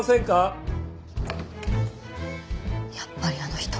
やっぱりあの人。